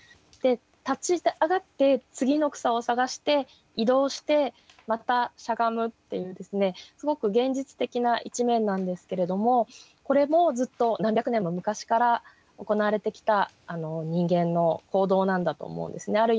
で立ち上がって次の草を探して移動してまたしゃがむっていうすごく現実的な一面なんですけれどもこれもずっと何百年も昔から行われてきた人間の行動なんだと思うんですね。